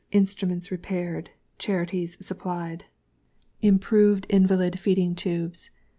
Instruments Repaired. Charities supplied. IMPROVED INVALID FEEDING TUBES.